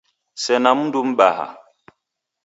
Sena mndu mbaha